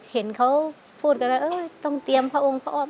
เห็นเขาพูดกันแล้วเอ้ยต้องเตรียมพระองค์พระอบ